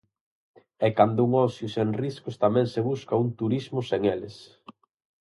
E canda un ocio sen riscos tamén se busca un turismo sen eles.